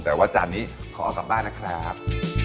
แต่ว่าจานนี้ขอเอากลับบ้านนะครับ